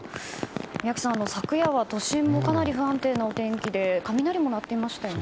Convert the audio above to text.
宮家さん、昨夜は都心もかなり不安定なお天気で雷もなっていましたよね。